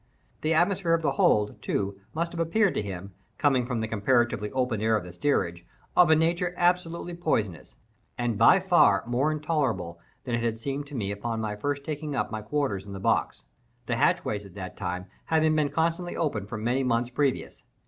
The atmosphere of the hold, too, must have appeared to him, coming from the comparatively open air of the steerage, of a nature absolutely poisonous, and by far more intolerable than it had seemed to me upon my first taking up my quarters in the box—the hatchways at that time having been constantly open for many months previous.